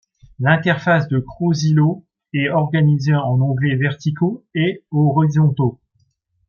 L'interface de Krozilo est organisée en onglets verticaux et horizontaux.